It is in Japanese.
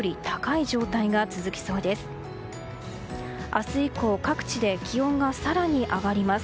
明日以降各地で気温が更に上がります。